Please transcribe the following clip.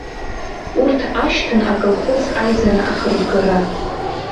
Урҭ ашьҭан аколхоз аизара ахырбгара.